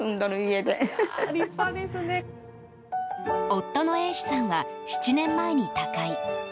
夫の英志さんは７年前に他界。